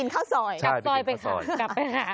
กลับซอยไปหา